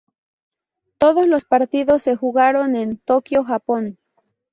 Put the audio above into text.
Todos los partidos se jugaron en Tokyo, Japón.